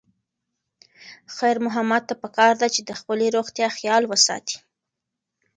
خیر محمد ته پکار ده چې د خپلې روغتیا خیال وساتي.